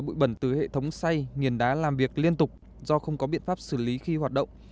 bụi bẩn từ hệ thống xay nghiền đá làm việc liên tục do không có biện pháp xử lý khi hoạt động